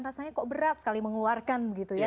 rasanya kok berat sekali mengeluarkan